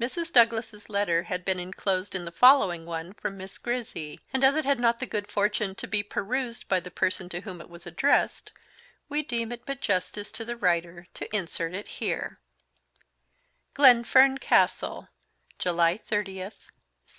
Mrs. Douglas's letter had been enclosed in the following one from Miss Grizzy, and as it had not the good fortune to be perused by the person to whom it was addressed, we deem it but justice to the writer to insert it here: "GLENFERN CASTLE, July 30th, 17